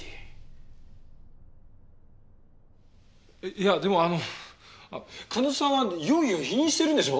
いやでもあの金戸さんは容疑を否認してるんでしょ？